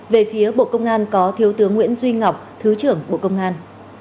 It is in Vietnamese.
về phía bộ công an có thiếu tướng nguyễn duy ngọc thứ trưởng bộ công an